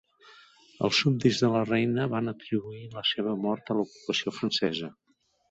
Els súbdits de la reina van atribuir la seva mort a l'ocupació francesa.